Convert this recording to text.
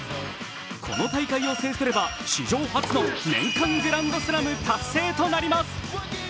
この大会を制すれば史上初の年間グランドスラム達成となります。